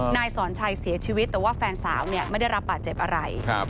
นายสอนชัยเสียชีวิตแต่ว่าแฟนสาวเนี่ยไม่ได้รับบาดเจ็บอะไร